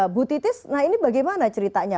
bu titis nah ini bagaimana ceritanya